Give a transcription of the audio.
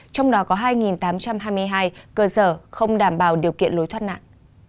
trong đó có hai tám trăm hai mươi hai cơ sở không đảm bảo điều kiện lối thoát nạn